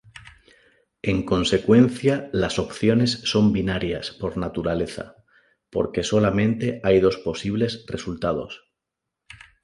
En consecuencia, las opciones son binarias por naturaleza, porque solamente hay dos posibles resultados.